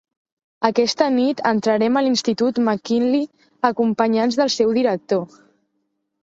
Aquesta nit entrarem a l'institut McKinley acompanyats del seu director.